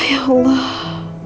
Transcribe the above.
oh ya allah